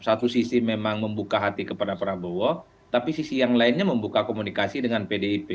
karena kalimatnya bertayap satu sisi memang membuka hati kepada prabowo tapi sisi yang lainnya membuka komunikasi dengan pdip